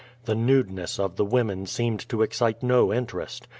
The nudeness of the womea seemed to excite no interest.